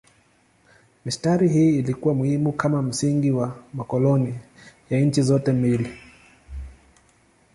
Mistari hii ilikuwa muhimu kama msingi wa makoloni ya nchi zote mbili.